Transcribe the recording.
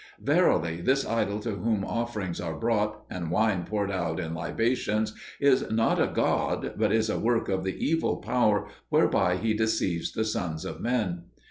Verily, this idol to whom offerings are brought, and wine poured out in libations, is not a god, but is a work of the evil power whereby he deceives the sons of men."